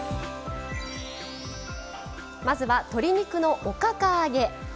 まず、鶏肉のおかか揚げ。